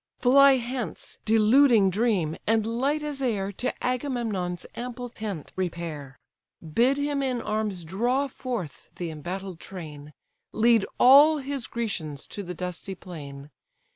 "Fly hence, deluding Dream! and light as air, To Agamemnon's ample tent repair. Bid him in arms draw forth the embattled train, Lead all his Grecians to the dusty plain.